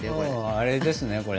あれですねこれ。